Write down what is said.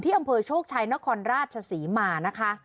อำเภอโชคชัยนครราชศรีมานะคะ